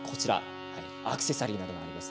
アクセサリーなどがあります。